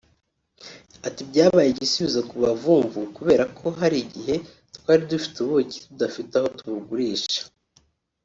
Ati “ Byabaye igisubizo ku bavumvu kubera ko hari igihe twari dufite ubuki tudafite aho tubugurisha